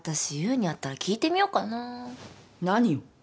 私優に会ったら聞いてみようかな。何を？